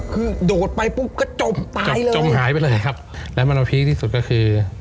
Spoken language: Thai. คือโดดไปปุ๊บก็จบตายเลยครับมันต้องพรีคที่สุดคือ